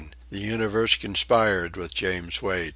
The universe conspired with James Wait.